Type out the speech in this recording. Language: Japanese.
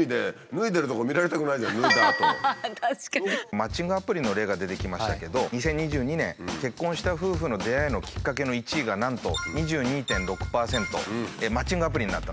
マッチングアプリの例が出てきましたけど２０２２年結婚した夫婦の出会いのきっかけの１位がなんと２２．６％でマッチングアプリになったんです。